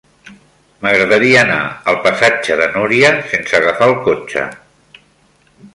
M'agradaria anar al passatge de Núria sense agafar el cotxe.